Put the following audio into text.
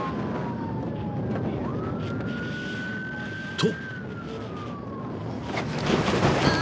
［と］